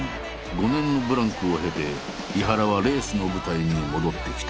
５年のブランクを経て井原はレースの舞台に戻ってきた。